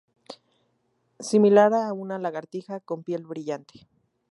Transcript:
Similar a una lagartija con piel brillante.